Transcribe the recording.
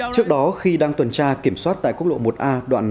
trước đó khi đang tuần tra kiểm soát tại quốc lộ một a đoạn